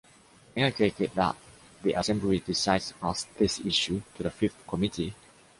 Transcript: May I take it that the Assembly decides to pass this issue to the Fifth Committee?